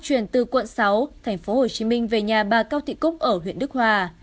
chuyển từ quận sáu tp hcm về nhà bà cao thị cúc ở huyện đức hòa